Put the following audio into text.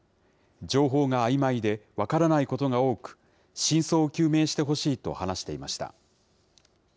情報があいまいで、分からないことが多く、真相を究明してほしいと話していました。